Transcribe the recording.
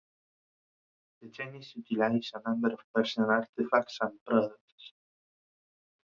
The Chinese utilized a number of Persian artifacts and products.